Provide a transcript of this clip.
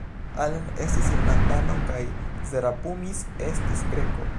Allen estis Irlandano kaj Zerapumis estis Greko.